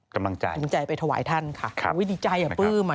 กำลังใจไปถวายท่านค่ะดีใจอ่ะปื้มอ่ะ